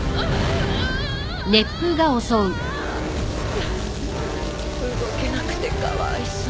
フフッ動けなくてかわいそう。